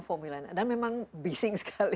formula e dan memang bising sekali